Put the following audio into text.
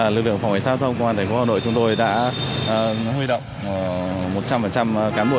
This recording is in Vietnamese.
lực lượng phòng cảnh sát giao thông hà nội đã huy động một trăm linh cán bộ